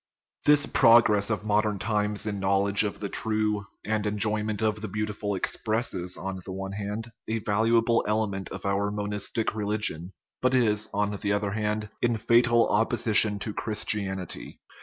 This progress of modern times in knowledge of the true and enjoyment of the beautiful expresses, on the one hand, a valuable element of our monistic religion, but is, on the other hand, in fatal opposition to Chris tianity.